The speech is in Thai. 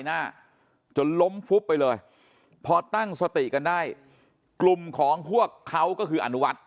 หน้าจนล้มฟุบไปเลยพอตั้งสติกันได้กลุ่มของพวกเขาก็คืออนุวัติ